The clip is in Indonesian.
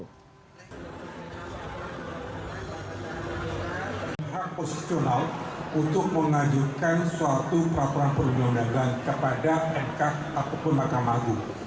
kemenkumham mengajukan suatu peraturan perundang undangan kepada mk atau mahkamah agung